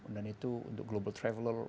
dan itu untuk global traveler